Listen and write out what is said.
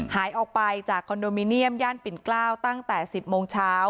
หายออกไปจากคอนโดมิเนียมย่านปิ่นเกล้าตั้งแต่๑๐โมงเช้า